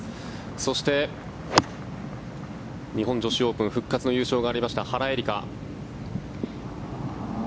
そして、日本女子オープンで復活の優勝がありました原英莉花。